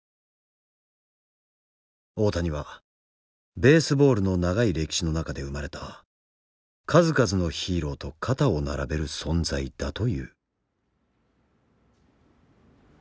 大谷はベースボールの長い歴史の中で生まれた数々のヒーローと肩を並べる存在だという。